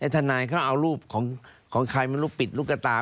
ทนายเขาเอารูปของใครไม่รู้ปิดลูกกระตา